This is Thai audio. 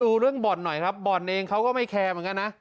ดูเรื่องบ่อนหน่อยครับบ่อนเองเขาก็ไม่แคร์เหมือนกันนะ